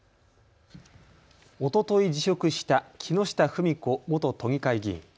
おととい辞職した木下富美子元都議会議員。